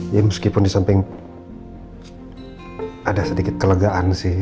ya meskipun di samping ada sedikit kelegaan sih